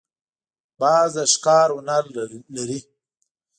باز د ښکار هنر لري